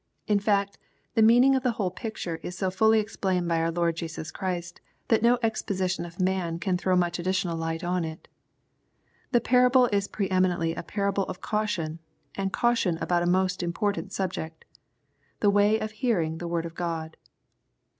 In fact, the meaning of the whole picture is so fully explained by our Lord Jesus Christy that no exposition of man can throw much additional light on it. The parable is pre eminently a parable of caution^ and caution about a most important subject, — the way of hearing the word of God.